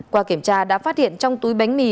qua kiểm tra đã phát hiện trong túi bánh mì